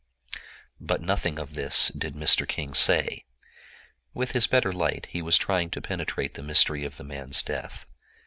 But nothing of this did Mr. King say. With his better light he was trying to penetrate the mystery of the man's death.